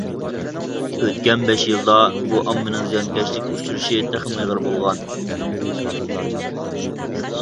ئۆتكەن بەش يىلدا بۇ ئاممىنىڭ زىيانكەشلىككە ئۇچرىشى تېخىمۇ ئېغىر بولغان .